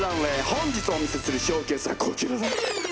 本日お見せするショーケースはこちらだ！